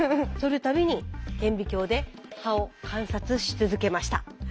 そる度に顕微鏡で刃を観察し続けました。